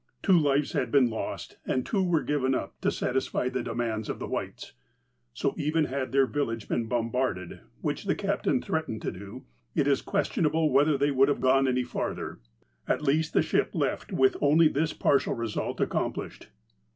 Two lives had been lost, and two were given up to satisfy the de mands of the Whites. So, even had their village been bombarded, which the captain threatened to do, it is questionable whether they would have gone any farther. At least the ship left with only this partial result ac complished.